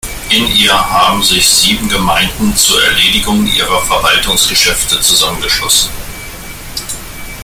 In ihr haben sich sieben Gemeinden zur Erledigung ihrer Verwaltungsgeschäfte zusammengeschlossen.